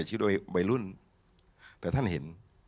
พระพุทธพิบูรณ์ท่านาภิรม